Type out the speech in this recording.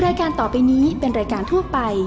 รายการต่อไปนี้เป็นรายการทั่วไป